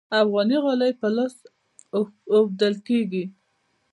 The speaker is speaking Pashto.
افغاني غالۍ په لاس اوبدل کیږي